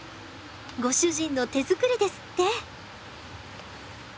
ご主人の手作りですって。